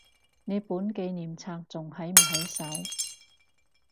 你本紀念冊仲喺唔喺手？